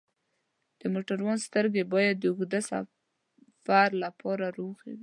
د موټروان سترګې باید د اوږده سفر لپاره روغې وي.